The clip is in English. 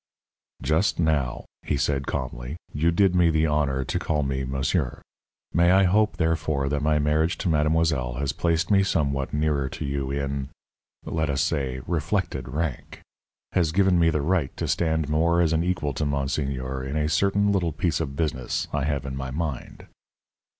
"Just now," he said, calmly, "you did me the honor to call me 'monsieur.' May I hope, therefore that my marriage to mademoiselle has placed me somewhat nearer to you in let us say, reflected rank has given me the right to stand more as an equal to monseigneur in a certain little piece of business I have in my mind?"